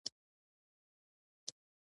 او په ګډه ولاړ شو